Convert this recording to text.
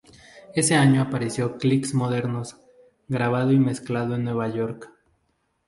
Ese año apareció "Clics modernos", grabado y mezclado en Nueva York.